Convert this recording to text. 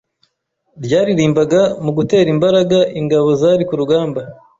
ryaririmbaga mu gutera imbaraga ingabo zari ku rugamba